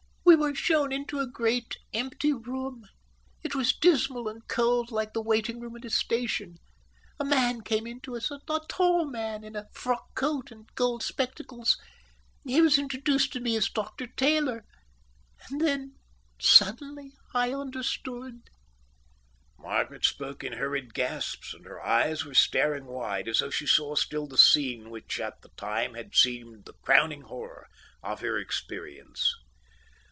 We were shown into a great empty room. It was dismal and cold like the waiting room at a station. A man came in to us, a tall man, in a frock coat and gold spectacles. He was introduced to me as Dr Taylor, and then, suddenly, I understood." Margaret spoke in hurried gasps, and her eyes were staring wide, as though she saw still the scene which at the time had seemed the crowning horror of her experience.